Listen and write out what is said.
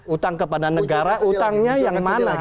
utang kepada negara utangnya yang mana